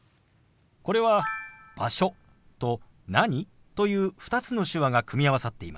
これは「場所」と「何？」という２つの手話が組み合わさっています。